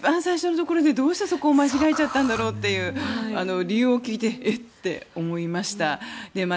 一番最初のところでどうしてそこを間違えちゃったんだろうって理由を聞いてえっって思いました。